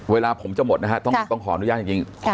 เวลาผมจะหมดนะฮะต้องขออนุญาตจริง